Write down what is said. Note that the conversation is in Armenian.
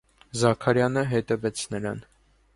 Զաքարյանը հետևեց նրան: